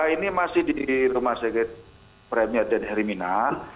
ini masih di rumah sakit premier dan herimina